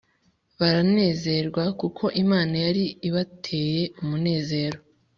baranezerwa kuko Imana yari ibateye umunezero